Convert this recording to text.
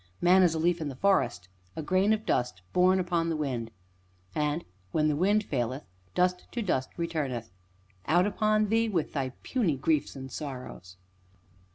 Man is a leaf in the forest a grain of dust borne upon the wind, and, when the wind faileth, dust to dust returneth; out upon thee, with thy puny griefs and sorrows.